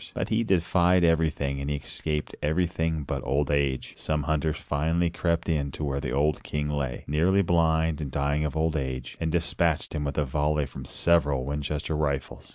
But he defied everything and he escaped everything but old age. Some hunters finally crept in to where the old king lay, nearly blind and dying of old age, and dispatched him with a volley from several Winchester rifles.